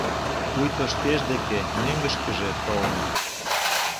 — Пуйто шкеж деке мӧҥгышкыжӧ толын».